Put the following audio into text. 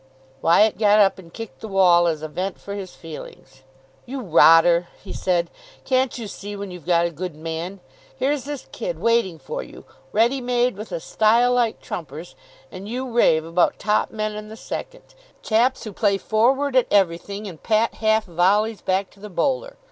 Wyatt got up, and kicked the wall as a vent for his feelings. "You rotter," he said. "Can't you see when you've got a good man? Here's this kid waiting for you ready made with a style like Trumper's, and you rave about top men in the second, chaps who play forward at everything, and pat half volleys back to the bowler!